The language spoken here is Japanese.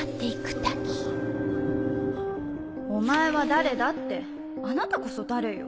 「お前は誰だ？」ってあなたこそ誰よ。